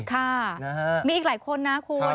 ค่ะมีอีกหลายคนนะคุณ